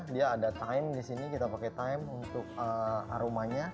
dia ada time di sini kita pakai time untuk aromanya